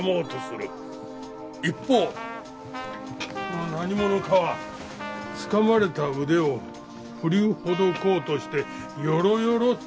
一方その何者かはつかまれた腕をふりほどこうとしてよろよろっとなる。